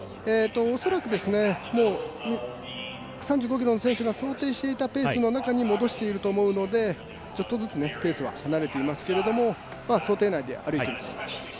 恐らく３５ｋｍの選手が想定していたペースの中に戻していると思うのでちょっとずつペースが離れていますけれども想定内で歩いていますね。